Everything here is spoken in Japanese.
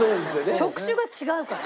職種が違うから。